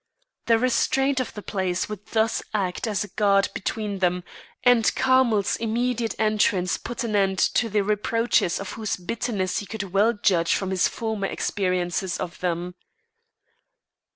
The restraint of the place would thus act as a guard between them, and Carmel's immediate entrance put an end to the reproaches of whose bitterness he could well judge from his former experience of them.